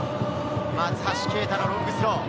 松橋啓太のロングスロー。